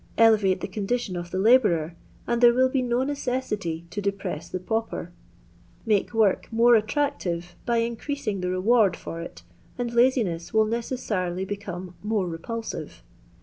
Elevate the condition of the labourer, and tWe will be no necessity to depress the pauper. Make work more attractive by increasbg the reward finr it, and laxiness will necessarily become more re pulsive.